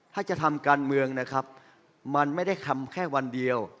ถ้าจะทำการเมืองนะครับมันไม่ได้ทำแค่วันเดียว